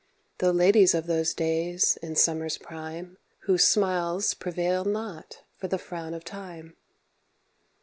The ladies of those days in Summer's prime Whose smiles prevailed not for the frown of Time.